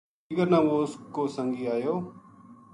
دیگر نا وہ اس کو سنگی ایو